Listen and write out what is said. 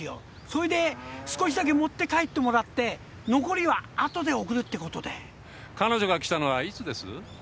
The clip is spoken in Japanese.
それで少しだけ持って帰ってもらって残りはあとで送るってことで彼女が来たのはいつです？